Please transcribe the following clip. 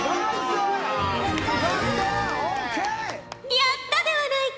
やったではないか。